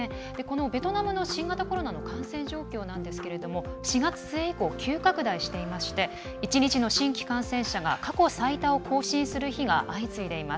ベトナムの新型コロナの感染状況ですけれども４月末以降、急拡大していて１日の新規感染者が過去最多を更新する日が相次いでいます。